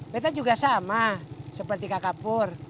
betta juga sama seperti kakak pur